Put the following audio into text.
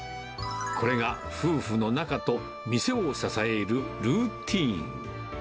これが夫婦の仲と店を支えるルーティン。